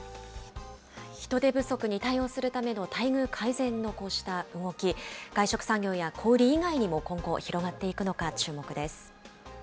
人手不足に対応するための待遇改善のこうした動き、外食産業や小売り以外にも今後、広がっていくのか、注目です。